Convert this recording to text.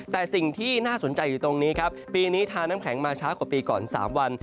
แต่สิ่งที่น่าสนใจอยู่ตรงนี้ครับปีนี้ทาน้ำแข็งมาช้ากว่าปีก่อน๓วัน